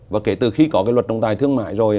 và kể từ khi có cái luật trọng tài thương mại rồi